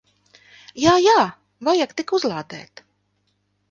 Jā. Jā. Vajag tik uzlādēt.